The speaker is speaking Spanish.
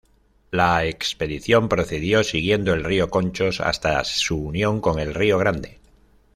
La expedición procedió siguiendo el río Conchos hasta su unión con el río Grande.